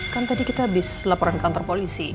kan tadi kita habis laporan ke kantor polisi